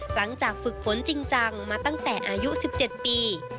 หลังจากฝึกฝนจริงจังมาตั้งแต่อายุ๑๗ปี